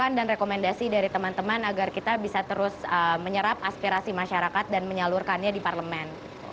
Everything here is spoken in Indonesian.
jadi saya berkomendasi dari teman teman agar kita bisa terus menyerap aspirasi masyarakat dan menyalurkannya di parlemen